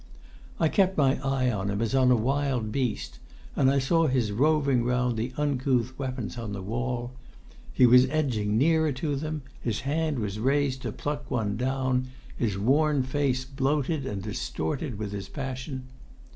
I kept my eye on him as on a wild beast, and I saw his roving round the uncouth weapons on the wall. He was edging nearer to them; his hand was raised to pluck one down, his worn face bloated and distorted with his passion.